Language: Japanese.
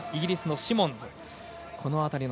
イギリスのシモンズ。